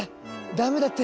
ダメだって。